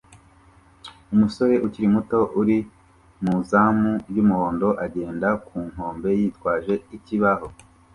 Umusore ukiri muto uri mu izamu ry'umuhondo agenda ku nkombe yitwaje ikibaho